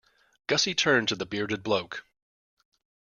Gussie turned to the bearded bloke.